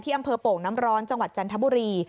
อำเภอโป่งน้ำร้อนจังหวัดจันทบุรี